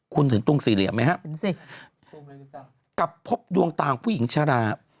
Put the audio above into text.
คุณถึงตรงสี่เหลี่ยมไหมฮะกลับพบดวงตาของผู้หญิงชรา